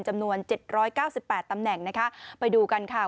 จำนวนเจ็ดร้อยเก้าสิบแปดตำแหน่งนะคะไปดูกันค่ะ